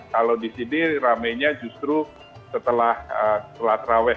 kalau di sini rame nya justru setelah terawih